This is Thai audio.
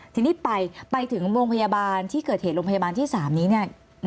ทีนี้ไปไปถึงโรงพยาบาลที่เกิดเหตุโรงพยาบาลที่๓นี้เนี่ย